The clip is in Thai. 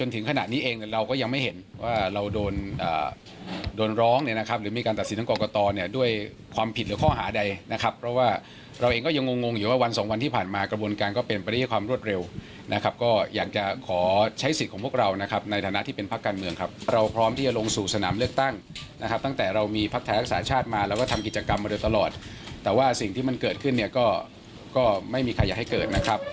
แต่ว่าสิ่งที่มันเกิดขึ้นก็ไม่มีใครอยากให้เกิดนะครับ